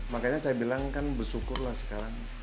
makanya saya bilang kan bersyukurlah sekarang